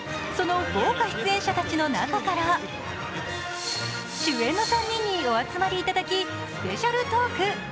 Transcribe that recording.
その豪華出演者たちの中から主演の３人にお集まりいただき、スペシャルトーク。